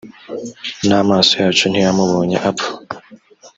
n’amaso yacu ntiyamubonye apfa.